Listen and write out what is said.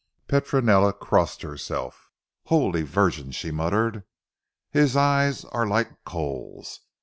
Petronella crossed herself. "Holy Virgin," she muttered, "his eyes are like coals."